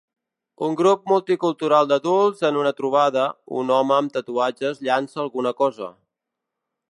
Un grup multicultural d'adults en una trobada, un home amb tatuatges llança alguna cosa.